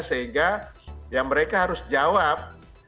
sehingga ya mereka harus jawab